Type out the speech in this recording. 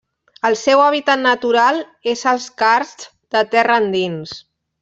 El seu hàbitat natural és als carsts de terra endins.